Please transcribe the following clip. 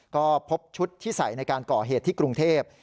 ก็พบชุดที่ใส่ในการก่อเหตุที่กรุงเทพ